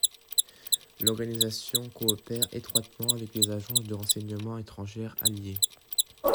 L'organisation coopère étroitement avec les agences de renseignement étrangères alliées.